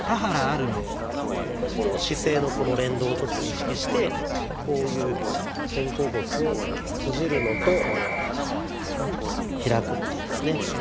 ここもこの姿勢のこの連動を意識してこういう肩甲骨を閉じるのと開くのとですね。